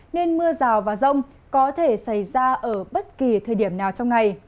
nên mưa rào và rông có thể xảy ra ở bất kỳ thời điểm nào trong ngày